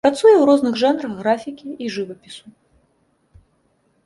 Працуе ў розных жанрах графікі і жывапісу.